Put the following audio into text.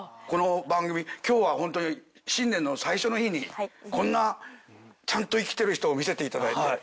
この番組今日はホントに新年の最初の日にこんなちゃんと生きてる人を見せていただいて。